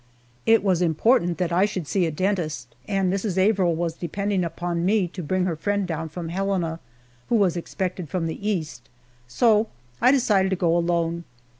It was important that I should see a dentist, and Mrs. Averill was depending upon me to bring her friend down from Helena who was expected from the East, so I decided to go alone.